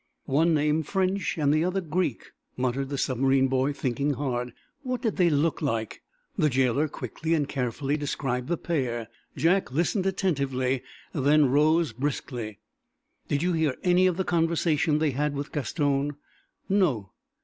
"One name French, and the other Greek," muttered the submarine boy, thinking hard. "What did they look like?" The jailer quickly and carefully described the pair. Jack listened attentively. Then rose, briskly. "Did you hear any of the conversation they had with Gaston?" "No."